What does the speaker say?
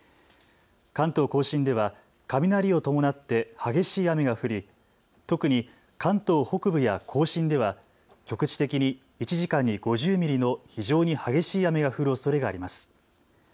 関東甲信では雷を伴って激しい雨が降り特に関東北部や甲信では局地的に１時間に５０ミリの非常に激しい雨が降るおそれがあります。